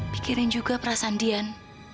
pikirin juga perasaan dian